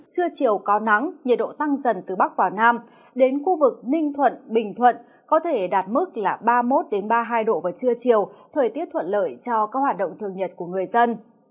trưa chiều có nắng nhiệt độ tăng dần từ bắc vào nam đến khu vực ninh thuận bình thuận có thể đạt mức là ba mươi một ba mươi hai độ vào trưa chiều thời tiết thuận lợi cho các hoạt động thường nhật của người dân